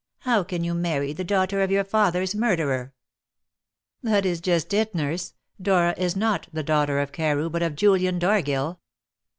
How can you marry the daughter of your father's murderer?" "That is just it, nurse; Dora is not the daughter of Carew, but of Julian Dargill."